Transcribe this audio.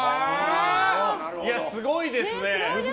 すごいですね。